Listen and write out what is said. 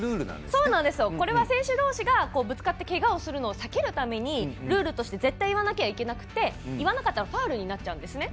これは、選手どうしがぶつかってけがをするのを避けるためにルールとして絶対言わなくちゃいけなくて言わなかったらファウルになっちゃうんですね。